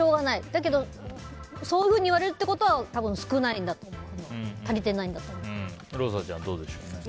だけどそういうふうに言われるってことは少ないんだと思うローサちゃん、どうでしょう。